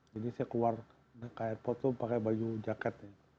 jadi saya keluar ke airpod tuh pakai baju jaket